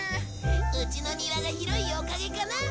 うちの庭が広いおかげかな！